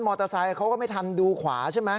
อเตอร์ไซค์เขาก็ไม่ทันดูขวาใช่ไหม